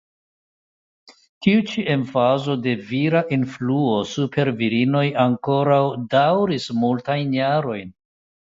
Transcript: Tiu ĉi emfazo de vira influo super virinoj ankoraŭ daŭris multajn jarojn.